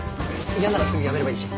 嫌ならすぐやめればいいし。